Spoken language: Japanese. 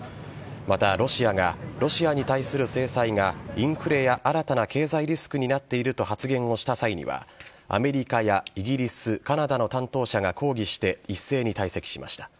また、ロシアがロシアに対する制裁がインフレや新たな経済リスクになっていると発言をした際にはアメリカやイギリスカナダの担当者が抗議して一斉に退席しました。